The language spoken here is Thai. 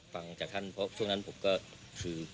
ฟังจากท่านเพราะช่วงนั้นผมก็คือ